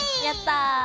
やった。